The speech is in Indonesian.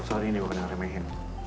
soal ini bukan yang remehin